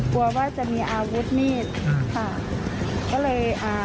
กลัวว่าจะมีอาวุธมีดค่ะ